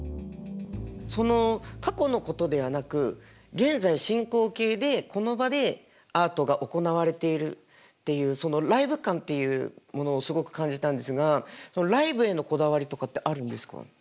その過去のことではなく現在進行形でこの場でアートが行われているっていうそのライブ感っていうものをすごく感じたんですがそのライブへのこだわりとかってあるんですか？